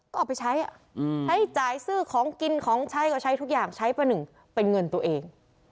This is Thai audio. ก็เอาไปใช้ใช้จ่ายซื้อของกินของใช้ก็ใช้ทุกอย่างใช้ประหนึ่งเป็นเงินตัวเอง